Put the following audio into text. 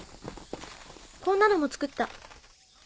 こんなのも作った。